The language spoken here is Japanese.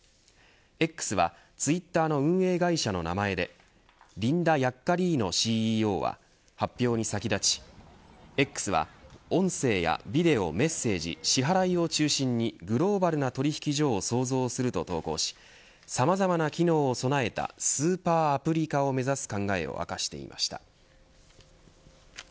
Ｘはツイッターの運営会社の名前でリンダ・ヤッカリーノＣＥＯは発表に先立ちＸは音声やビデオメッセージ、支払いを中心にグローバルな取引所を創造すると投稿しさまざまな機能を備えたスーパーアプリ化を目指す考えを明かしていました。